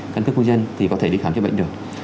căn cước công dân thì có thể đi khám chữa bệnh được